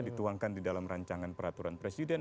dituangkan di dalam rancangan peraturan presiden